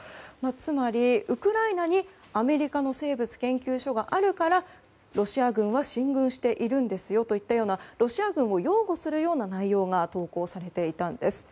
つまり、ウクライナにアメリカの生物研究所があるからロシア軍は進軍しているんですよといったロシア軍を擁護するような内容が投稿されていたんです。